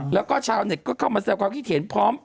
แล้วก็ชาวเน็ตก็เข้ามาแซวความคิดเห็นพร้อม